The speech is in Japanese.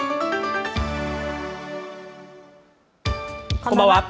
こんばんは。